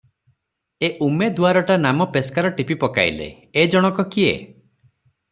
ଏ ଉମେଦୁଆରଟା ନାମ ପେସ୍କାର ଟିପି ପକାଇଲେ, ଏ ଜଣକ କିଏ?